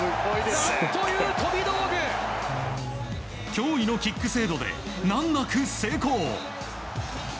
驚異のキック精度で難なく成功！